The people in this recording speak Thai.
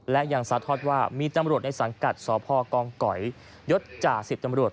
และยังซัดทอดว่ามีตำรวจในสังกัดศพกยจศิษย์ตำรวจ